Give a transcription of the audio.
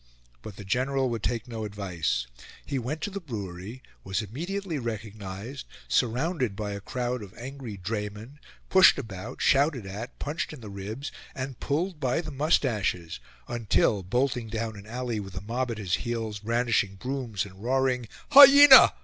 But the General would take no advice. He went to the brewery, was immediately recognised, surrounded by a crowd of angry draymen, pushed about, shouted at, punched in the ribs, and pulled by the moustaches until, bolting down an alley with the mob at his heels brandishing brooms and roaring "Hyena!"